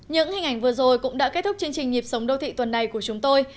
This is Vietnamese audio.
những hình ảnh vừa rồi cũng đã kết thúc chương trình nhịp sống đô thị tuần này của chúng tôi